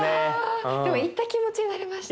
でも行った気持ちになれました。